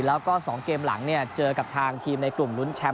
แล้วก็๒เกมหลังเนี่ยเจอกับทางทีมในกลุ่มรุ้นแชมป